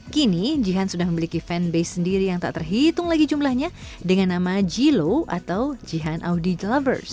kini jihan sudah memiliki fanbase sendiri yang tak terhitung lagi jumlahnya dengan nama jilo atau jihan audi glovers